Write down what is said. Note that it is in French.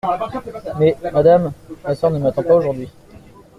Mais, madame, ma sœur ne m’attend pas aujourd’hui.